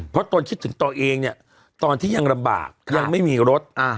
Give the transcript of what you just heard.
เพราะตนคิดถึงตัวเองเนี่ยตอนที่ยังลำบากยังไม่มีรถ